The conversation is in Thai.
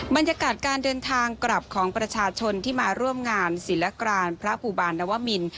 บรรยากาศการเดินทางกลับของประชาชนที่มาร่วมงานศิลกรานพระภูบาลนวมิน